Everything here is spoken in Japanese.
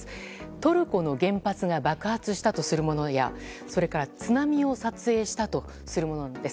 トルコの原発が爆発したとするものやそれから津波を撮影したとするものです。